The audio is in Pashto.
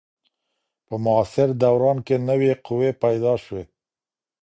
په معاصر دوران کي نوي قوې پیدا سوې.